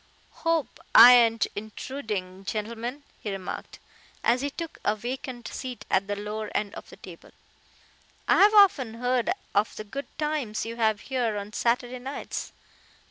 "Hope I ain't intruding, gentlemen," he remarked, as he took a vacant seat at the lower end of the table; "I've often heard of the good times you have here on Saturday nights.